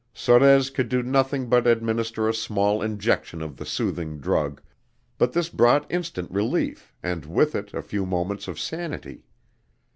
Sorez could do nothing but administer a small injection of the soothing drug, but this brought instant relief and with it a few moments of sanity.